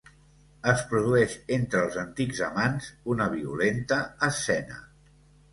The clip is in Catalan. Es produeix entre els antics amants una violenta escena.